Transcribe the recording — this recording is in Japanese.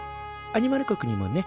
アニマル国にもね